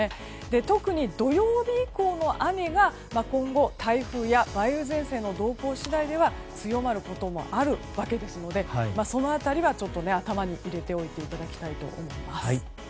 特に土曜日以降の雨が今後、台風や梅雨前線の動向次第では強まることもあるわけですのでその辺りはちょっと頭に入れておいていただきたいと思います。